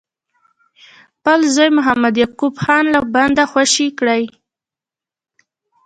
خپل زوی محمد یعقوب خان له بنده خوشي کړي.